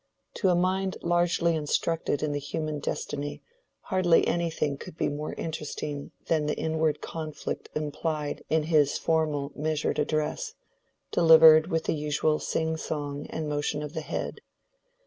To a mind largely instructed in the human destiny hardly anything could be more interesting than the inward conflict implied in his formal measured address, delivered with the usual sing song and motion of the head.